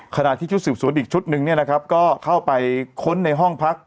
ขณะที่ชุดสูตรอีกชุดหนึ่งเนี่ยนะครับก็เข้าไปค้นในห้องพัก